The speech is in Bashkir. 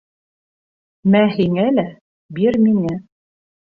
«Мә һиңә» лә, «бир миңә».